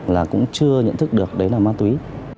là cũng chưa nhận thức được đấy là ma túy